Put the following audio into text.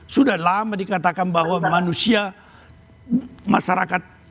sudah lama dikatakan bahwa manusia masyarakat